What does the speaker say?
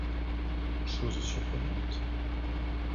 Chose surprenante.